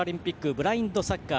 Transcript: ブラインドサッカー。